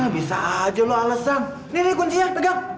bisa aja lo alesan nih nih kuncinya tegak